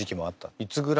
いつぐらい？